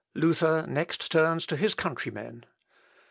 Luther next turns to his countrymen.